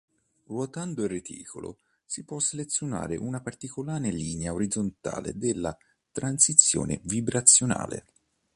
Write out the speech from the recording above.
Ruotando il reticolo si può selezionare una particolare linea rotazionale della transizione vibrazionale.